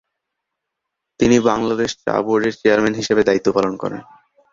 তিনি বাংলাদেশ চা বোর্ডের চেয়ারম্যান হিসাবে দায়িত্ব পালন করেন।